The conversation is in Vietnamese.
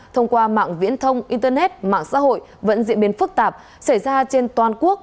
thông qua mạng viễn thông internet mạng xã hội vẫn diễn biến phức tạp xảy ra trên toàn quốc